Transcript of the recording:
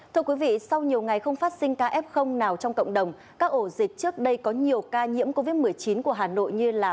thưa quý vị sau nhiều ngày không phát sinh ca f nào trong cộng đồng các ổ dịch trước đây có nhiều ca nhiễm covid một mươi chín của hà nội như là